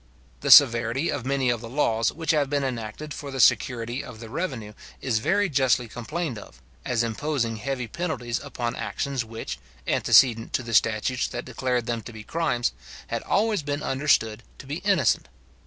The severity of many of the laws which have been enacted for the security of the revenue is very justly complained of, as imposing heavy penalties upon actions which, antecedent to the statutes that declared them to be crimes, had always been understood to be innocent.